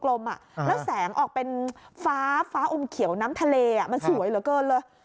แล้วแสงออกเป็นฟ้าฟ้าอมเขียวน้ำทะเลมันสวยเหลือเกินเลย